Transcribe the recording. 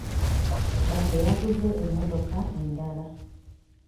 Bbaze yaguze emmotoka endala.